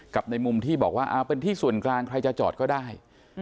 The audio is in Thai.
ในมุมที่บอกว่าเป็นที่ส่วนกลางใครจะจอดก็ได้